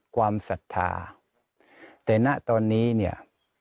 ศรัทธาแต่ณตอนนี้เนี่ย